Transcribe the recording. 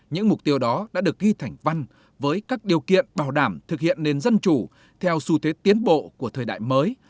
những mục tiêu đó đã được ghi thành văn với các điều kiện bảo đảm thực hiện nền dân chủ theo xu thế tiến bộ của thời đại mới